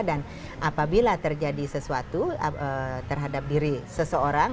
dan apabila terjadi sesuatu terhadap diri seseorang